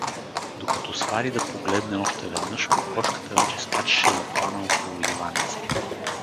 Докато свари да погледне още веднъж — кокошката вече скачаше заклана около Иваница.